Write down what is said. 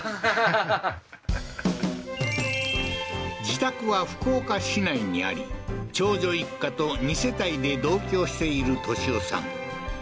自宅は福岡市内にあり長女一家と２世帯で同居している敏夫さん